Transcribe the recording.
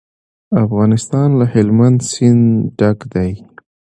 افغانستان له هلمند سیند ډک دی.